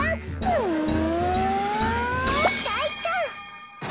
うんかいか！